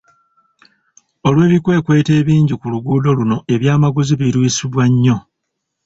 Olw'ebikwekweto ebingi ku luguudo luno ebyamaguzi birwisibwa nnyo.